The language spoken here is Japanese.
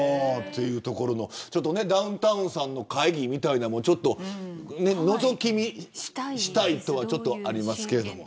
ダウンタウンさんの会議みたいなのをちょっとのぞき見したいとは思いますけどね。